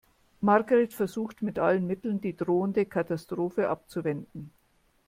Margret versucht mit allen Mitteln, die drohende Katastrophe abzuwenden.